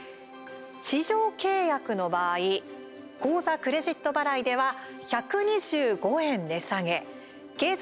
地上契約の場合口座・クレジット払いでは１２５円値下げ継続